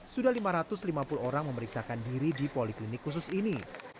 sudah lima ratus lima puluh orang memeriksakan diri di poliklinik khusus ini